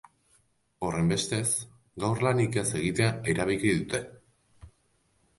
Horrenbestez, gaur lanik ez egitea erabaki dute.